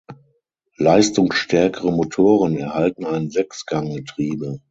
Leistungsstärkere Motoren erhalten ein Sechsgang-Getriebe.